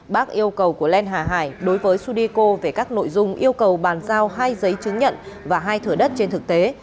bác yêu cầu của len hải hà đối với sudeko về các nội dung yêu cầu bàn giao hai giấy chứng nhận và hai thửa đất trên thực tế